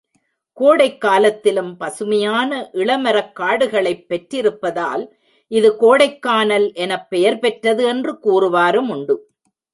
கோடைக் காலத்திலும் பசுமையான இளமரக்காடுகளைப் பெற்றிருப்பதால், இது கோடைக்கானல் எனப் பெயர் பெற்றது என்று கூறுவாருமுண்டு.